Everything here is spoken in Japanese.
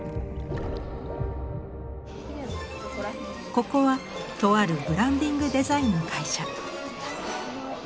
ここはとあるブランディングデザインの会社。